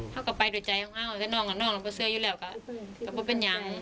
ข้าก็ไปโดยใจของข้าวและตัวน้องก็ไม่เคยเชื่ออยู่แล้วก็ไม่เป็นอย่าง